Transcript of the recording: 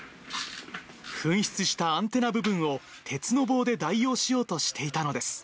紛失したアンテナ部分を鉄の棒で代用しようとしていたのです。